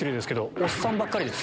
おっさんばっかりです。